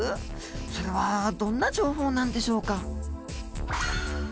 それはどんな情報なんでしょうか。